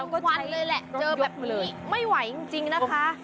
ควันเลยแหละเจอแบบนี้ไม่ไหวจริงนะคะ